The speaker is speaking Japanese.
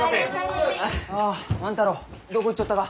ああ万太郎どこ行っちょったが？